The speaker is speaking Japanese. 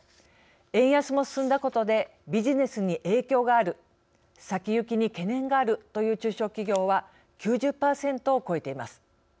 円安も進んだことでビジネスに影響がある先行きに懸念があるという中小企業は９０％を超えています。